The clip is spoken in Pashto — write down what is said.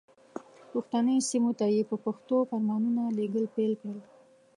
پښتني سیمو ته یې په پښتو فرمانونه لېږل پیل کړل.